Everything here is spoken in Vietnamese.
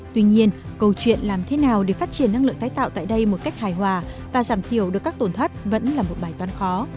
tuy nhiên câu chuyện làm thế nào để phát triển năng lượng tái tạo tại đây một cách hài hòa và giảm thiểu được các tổn thất vẫn là một bài toán khó